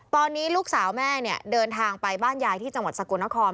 ตอนนี้ลูกสาวแม่เดินทางไปบ้านยายที่จังหวัดสกุณฐคอม